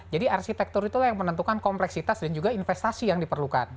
jadi arsitektur itulah yang menentukan kompleksitas dan juga investasi yang diperlukan